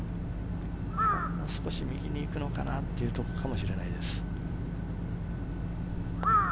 少し右に行くのかなというところかもしれないです。